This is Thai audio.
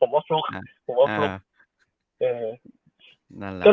เรียกว่าฟลุ๊กแล้วกัน